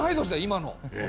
今の。